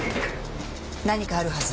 何かあるはず。